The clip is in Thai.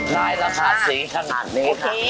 ได้แล้วค่ะสีขนาดนี้ค่ะ